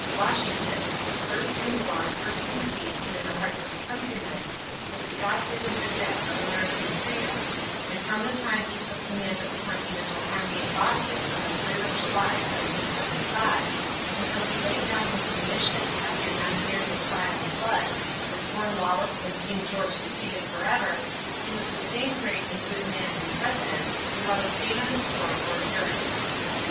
WASHINGTON, "first in war, first in peace and in the hearts of his countrymen," was the God given vidette of American freedom; and from the time he took command of the Continental Army at Boston on the 3d of July, 1775, until he laid down his commission, after nine years of trial and blood, with Cornwallis and King George defeated forever, he was the same great and good man and President, without a stain on his sword or character.